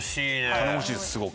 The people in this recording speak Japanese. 頼もしいですすごく。